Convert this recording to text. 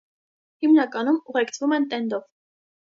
Հիմնականում ուղեկցվում են տենդով։